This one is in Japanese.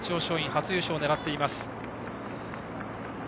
初優勝を狙っています。